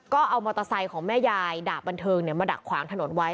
ก็เอามอเตอร์ไซค์ของแม่ยายดาบบันเทิงมาดักขวางถนนไว้